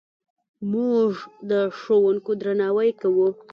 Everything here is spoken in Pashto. موږ د ښوونکو درناوی کوو.